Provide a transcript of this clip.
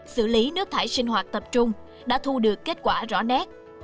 xử lý nước thải sinh hoạt tập trung đã thu được kết quả rõ nét